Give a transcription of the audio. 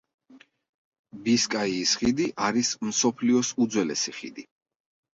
ბისკაიის ხიდი არის მსოფლიოს უძველესი ხიდი.